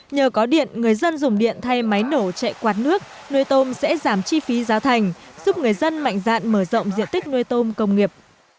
nhờ có điện người dân dùng điện thay máy nổ chạy quạt nước nuôi tôm sẽ giảm chi phí giá thành giúp người dân mạnh dạn mở rộng diện tích nuôi tôm công nghiệp